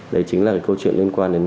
đấy chính là câu chuyện liên quan đến